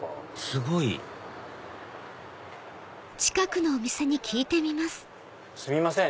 すごいすみません